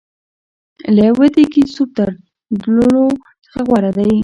له یوه ډېګي سوپ درلودلو څخه غوره دی.